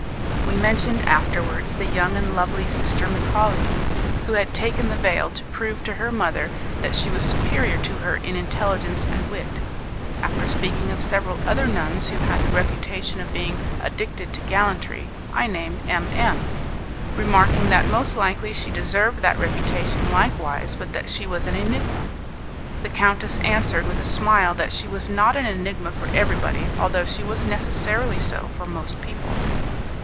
We mentioned afterwards the young and lovely Sister Michali, who had taken the veil to prove to her mother that she was superior to her in intelligence and wit. After speaking of several other nuns who had the reputation of being addicted to gallantry, I named M M , remarking that most likely she deserved that reputation likewise, but that she was an enigma. The countess answered with a smile that she was not an enigma for everybody, although she was necessarily so for most people.